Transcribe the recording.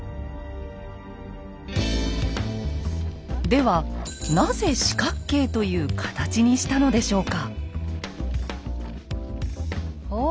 ではなぜ四角形という形にしたのでしょうか？